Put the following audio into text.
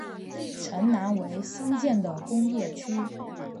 城南为新建的工业区。